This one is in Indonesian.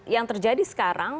yang terjadi sekarang